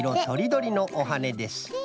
とりどりのおはねです。